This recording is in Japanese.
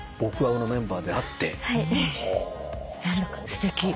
すてき。